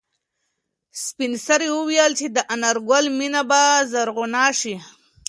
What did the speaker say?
سپین سرې وویل چې د انارګل مېنه به زرغونه شي.